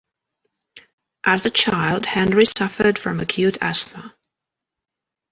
As a child Henry suffered from acute asthma.